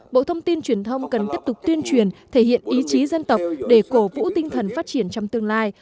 bộ thông tin truyền thông cần tiếp tục tuyên truyền thể hiện ý chí dân tộc để cổ vũ tinh thần phát triển trong tương lai